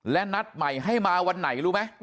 และนัดใหม่ให้มาวันไหนรู้ไหม